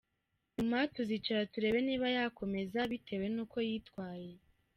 Nyuma tuzicara turebe niba yakomeza bitewe n’uko yitwaye.